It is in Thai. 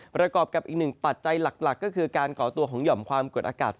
ประกอบกับอีกหนึ่งปัจจัยหลักก็คือการก่อตัวของหย่อมความกดอากาศ